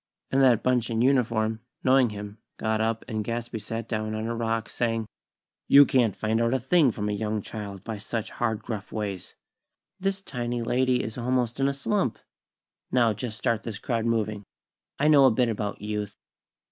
and that bunch in uniform, knowing him, got up and Gadsby sat down on a rock, saying: "You can't find out a thing from a young child by such hard, gruff ways. This tiny lady is almost in a slump. Now, just start this crowd moving. I know a bit about Youth."